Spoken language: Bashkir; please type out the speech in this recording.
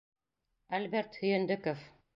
Альберт ҺӨЙӨНДӨКОВ